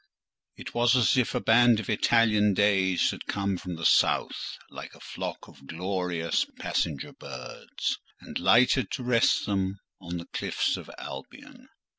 It was as if a band of Italian days had come from the South, like a flock of glorious passenger birds, and lighted to rest them on the cliffs of Albion.